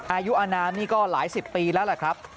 อายุอนามนี่ก็หลายสิบปีแล้วแหละครับ